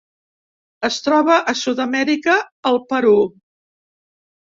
Es troba a Sud-amèrica: el Perú.